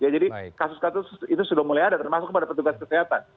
jadi kasus kasus itu sudah mulai ada termasuk pada petugas kesehatan